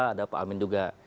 ada pak amin juga